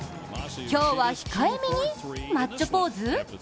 今日は控えめにマッチョポーズ？